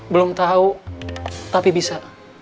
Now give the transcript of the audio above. belum tahu tapi bisa